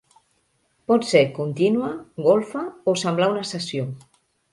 Pot ser contínua, golfa o semblar una cessió.